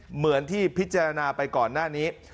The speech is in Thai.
เหมือนที่พิจารณาไปก่อนหน้านี้